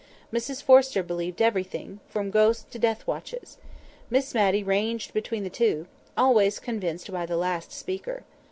Mrs Forrester believed everything, from ghosts to death watches. Miss Matty ranged between the two—always convinced by the last speaker.